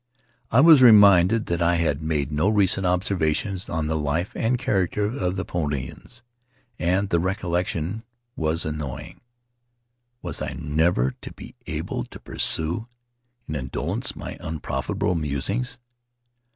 I was reminded that I had made no recent observations on the life and character of the Paumotuans, and the recollection was annoying. Was I never to be able to pursue, in indolence, my unprofitable musings?